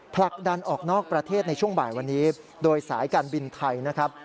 ผลักดันออกนอกประเทศในช่วงบ่ายวันนี้โดยสายการบินไทยนะครับ